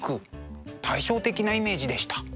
対照的なイメージでした。